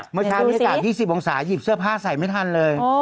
เมื่อเช้านี้๓๒๐องศาหยิบเสื้อผ้าใส่ไม่ทันเลย